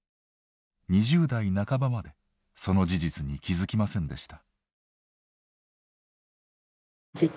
２０代半ばまでその事実に気付きませんでした。